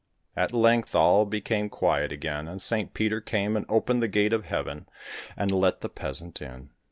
At length all became quiet again, and Saint Peter came and opened the gate of heaven, and let the peasant in.